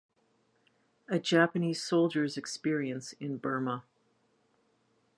A Japanese Soldier's Experience in Burma.